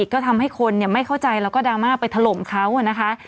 ก็ทำให้คนไม่เข้าใจแล้วก็ดราม่าไปถล่มเขานะคะ